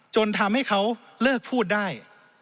จนทำให้เขาเลิกพูดได้